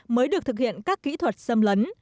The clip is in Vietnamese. mới được thực hiện các kỹ thuật xâm lấn